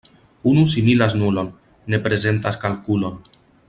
Unu similas nulon, ne prezentas kalkulon.